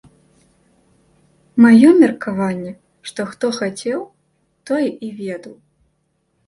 Маё меркаванне, што хто хацеў, той і ведаў.